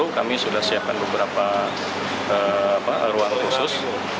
kami sudah siapkan beberapa ruang khusus